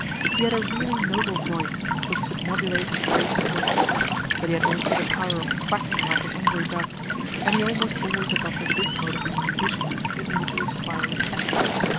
He had a really noble voice, which he could modulate with great skill, but he had also the power of quacking like an angry duck, and he almost always adopted this mode of communication in order to inspire respect.